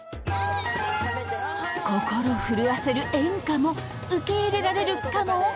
心震わせる演歌も受け入れられるかも。